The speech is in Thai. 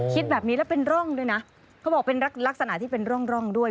คิดแบบนี้แล้วเป็นร่องด้วยนะเขาบอกเป็นลักษณะที่เป็นร่องด้วย